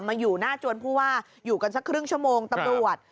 อยู่หน้าจวนผู้ว่าอยู่กันสักครึ่งชั่วโมงตำรวจ